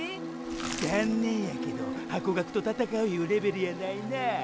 残念やけどハコガクと闘ういうレベルやないな。